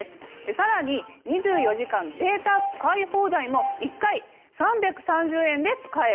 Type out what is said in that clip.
さらに２４時間データ使い放題も１回３３０円で使えます。